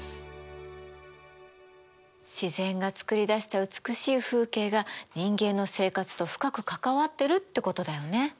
自然がつくりだした美しい風景が人間の生活と深く関わってるってことだよね。